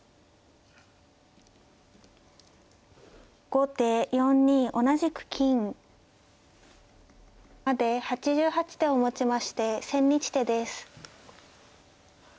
後手４二同じく金。まで８８手をもちまして千日手です。